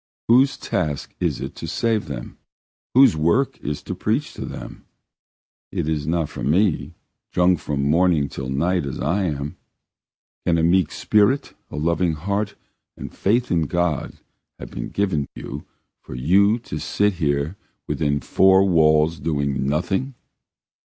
Whose task is it to save them? Whose work is it to preach to them? It is not for me, drunk from morning till night as I am. Can a meek spirit, a loving heart, and faith in God have been given you for you to sit here within four walls doing nothing?"